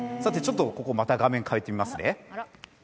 ここまた、画面変えてみます